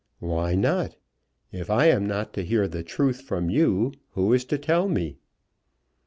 "Why not? If I am not to hear the truth from you who is to tell me?"